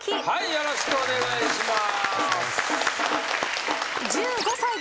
よろしくお願いします。